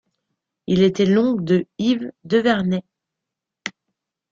Il était l'oncle de Yves Devernay.